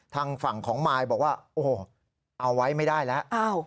ทางฝั่งของมายบอกว่าโอ้โหเอาไว้ไม่ได้แล้ว